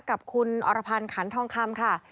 กับคุณอรพันธ์ขันทองคำค่ะ